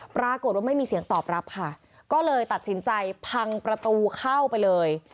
ปรากฏว่าไม่มีเสียงตอบรับค่ะก็เลยตัดสินใจพังประตูเข้าไปเลย